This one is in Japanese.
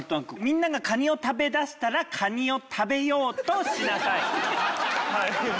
「みんながカニを食べだしたらカニを食べようとしなさい」。